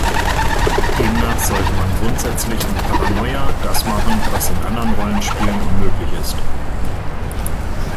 Demnach sollte man grundsätzlich in "Paranoia" das machen, was in anderen Rollenspielen unmöglich ist.